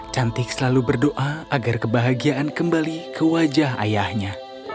cantik selalu berdoa agar kebahagiaan kembali ke wajah ayahnya